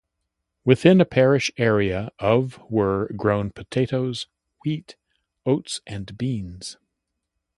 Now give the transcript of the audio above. Within a parish area of were grown potatoes, wheat, oats and beans.